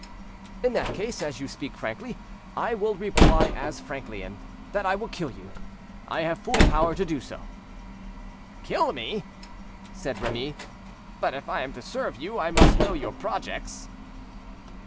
"In that case, as you speak frankly, I will reply as frankly, that I will kill you; I have full power to do so." "Kill me!" said Remy. "But if I am to serve you, I must know your projects."